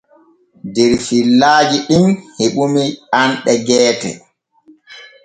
Der fillajiɗin heɓuni anɗe geete.